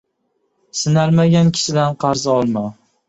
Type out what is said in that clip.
• Sinalmagan kishidan qarz olma.